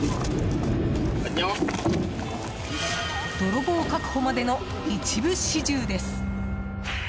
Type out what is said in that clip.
泥棒確保までの一部始終です。